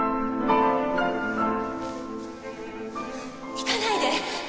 行かないで！